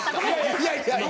いやいやいや。